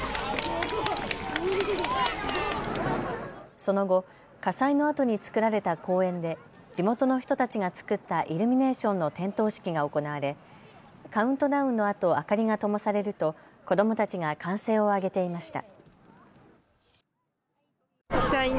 その後、火災のあとに作られた公園で地元の人たちが作ったイルミネーションの点灯式が行われカウントダウンのあと明かりがともされると子どもたちが歓声を上げていました。